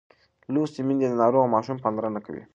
لوستې میندې د ناروغ ماشوم پاملرنه کوي.